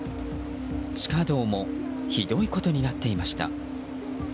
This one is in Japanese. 地下道もひどいことになっていました。